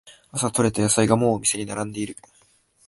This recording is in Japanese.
朝とれた野菜がもうお店に並んでる